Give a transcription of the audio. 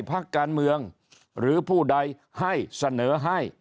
พักการเมืองหรือผู้ใดให้เสนอให้